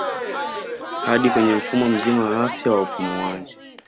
Hadi kwenye mfumo mzima wa afya wa upumuaji